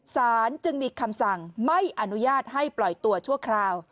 สารจึงมีคำสั่งไม่อนุญาตให้ปล่อยตัวชั่วคราว